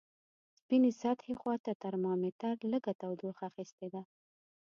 سپینې سطحې خواته ترمامتر لږه تودوخه اخستې ده.